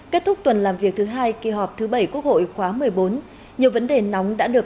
kết thúc tuần làm việc thứ hai kỳ họp thứ bảy quốc hội khóa một mươi bốn nhiều vấn đề nóng đã được